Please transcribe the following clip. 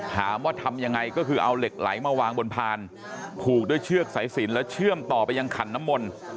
ทำยังไงก็คือเอาเหล็กไหลมาวางบนพานผูกด้วยเชือกสายสินแล้วเชื่อมต่อไปยังขันน้ำมนต์